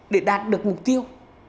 để đạt được mục tiêu